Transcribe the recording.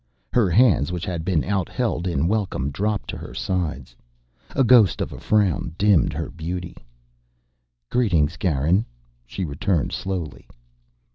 Her hands, which had been outheld in welcome, dropped to her sides. A ghost of a frown dimmed her beauty. "Greetings, Garin," she returned slowly.